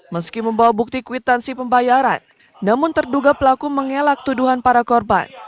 meski membawa bukti kwitansi pembayaran namun terduga pelaku mengelak tuduhan para korban